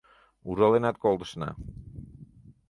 Ужаленат колтышна...